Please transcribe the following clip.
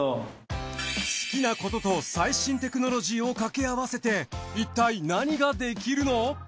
好きなことと最新テクノロジーをかけ合わせていったい何ができるの？